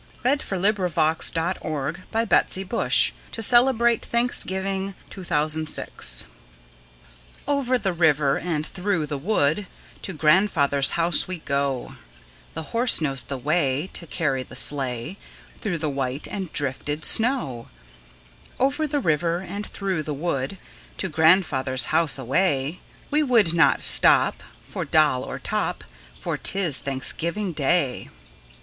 Q R . S T . U V . W X . Y Z The New England Boy's Song About Thanksgiving Day OVER the river, and through the wood, To grandfather's house we go; The horse knows the way, To carry the sleigh, Through the white and drifted snow. Over the river, and through the wood, To grandfather's house away! We would not stop For doll or top, For 't is Thanksgiving Day.